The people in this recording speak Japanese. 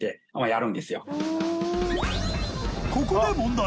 ［ここで問題。